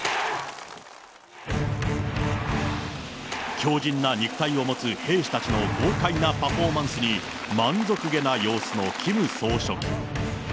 強じんな肉体を持つ兵士たちの豪快なパフォーマンスに満足気な様子のキム総書記。